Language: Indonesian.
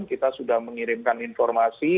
kita sudah mengirimkan informasi